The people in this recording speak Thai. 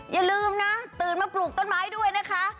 อย่าลืมนะตื่นมาปลูกต้นไม้ด้วยนะคะ